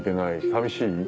寂しい？